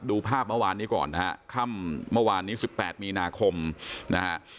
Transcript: ดูภาพเมื่อวานนี้ก่อนนะฮะค่ำเมื่อวานนี้๑๘มีนาคมนะฮะ